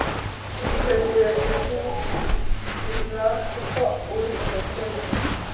yiteguye kugukiza, kuko uri umukene